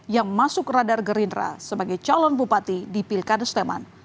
yang masuk radar gerindra sebagai calon bupati di pilkada sleman